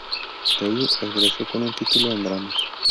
De allí egresó con un título en drama.